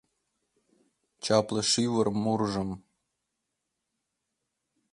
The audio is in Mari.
Чапле шӱвыр мурыжым